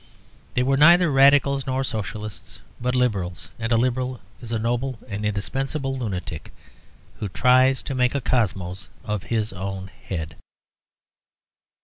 They were neither Radicals nor Socialists, but Liberals, and a Liberal is a noble and indispensable lunatic who tries to make a cosmos of his own head.